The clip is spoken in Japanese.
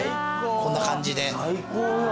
こんな感じで。